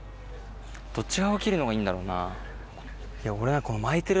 どっち側切るのがいいんだろうな？